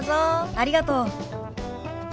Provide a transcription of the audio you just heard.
ありがとう。